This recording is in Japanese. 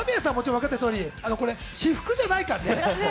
わかってる通り、私服じゃないからね。